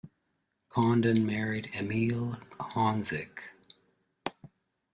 Condon married Emilie Honzik.